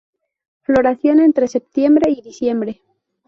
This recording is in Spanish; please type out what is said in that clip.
Floración entre septiembre y diciembre.